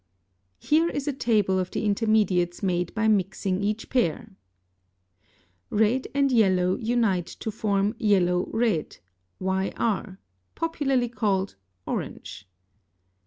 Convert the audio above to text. (58) Here is a table of the intermediates made by mixing each pair: Red and yellow unite to form yellow red (YR), popularly called orange.